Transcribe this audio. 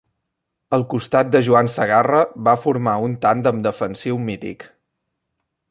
Al costat de Joan Segarra va formar un tàndem defensiu mític.